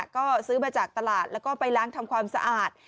ก็ซื้อมาจากตลาดแล้วก็ไปล้างทำความสะอาด